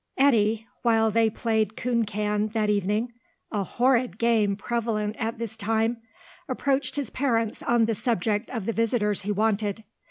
Eddy, while they played coon can that evening (a horrid game prevalent at this time) approached his parents on the subject of the visitors he wanted.